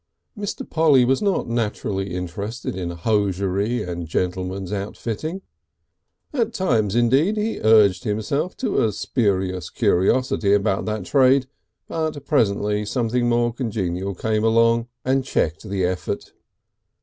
III Mr. Polly was not naturally interested in hosiery and gentlemen's outfitting. At times, indeed, he urged himself to a spurious curiosity about that trade, but presently something more congenial came along and checked the effort.